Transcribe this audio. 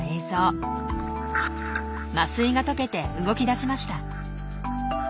麻酔が解けて動き出しました。